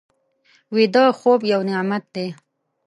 ویده خوب یو نعمت دی